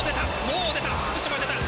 もう出た！